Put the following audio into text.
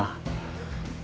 orang gak dikenal